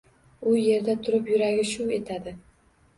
U yerda turib yuragi shuv etadi.